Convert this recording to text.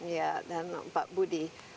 ya dan pak budi